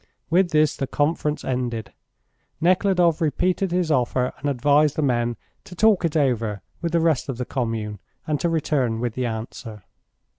With this the conference ended. Nekhludoff repeated his offer, and advised the men to talk it over with the rest of the commune and to return with the answer.